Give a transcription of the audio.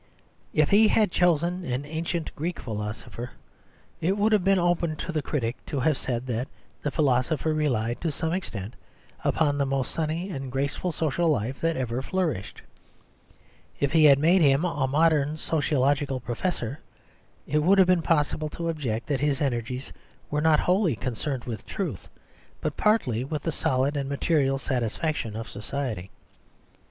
If he had chosen an ancient Greek philosopher, it would have been open to the critic to have said that that philosopher relied to some extent upon the most sunny and graceful social life that ever flourished. If he had made him a modern sociological professor, it would have been possible to object that his energies were not wholly concerned with truth, but partly with the solid and material satisfaction of society.